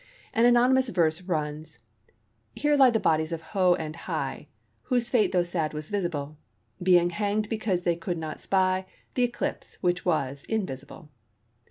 An anonymous verse runs:— Here lie the bodies of Ho and Hi, Whose fate though sad was visible— Being hanged because they could not spy Th' eclipse which was invisible.